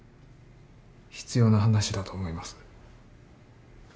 必要な話だと思います。